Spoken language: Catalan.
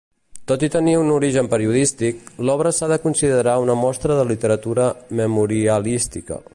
Tot i tenir un origen periodístic, l’obra s'ha de considerar una mostra de literatura memorialística.